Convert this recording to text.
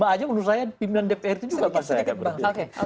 lima aja menurut saya pimpinan dpr itu juga apa sih gunanya